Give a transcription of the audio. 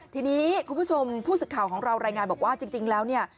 ทีนี้คุณผู้ชมผู้สื่อข่าวของเรารายงานบอกว่าจริงแล้วเนี่ย